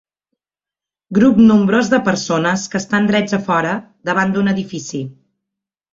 Grup nombrós de persones que estan drets a fora, davant d'un edifici.